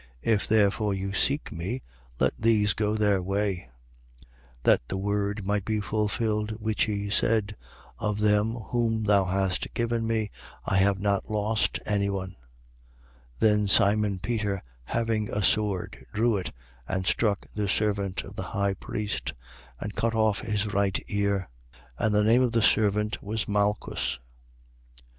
If therefore you seek me, let these go their way, 18:9. That the word might be fulfilled which he said: Of them whom thou hast given me, I have not lost any one. 18:10. Then Simon Peter, having a sword, drew it and struck the servant of the high priest and cut off his right ear. And the name of thee servant was Malchus.